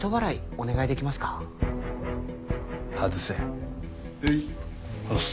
おっす。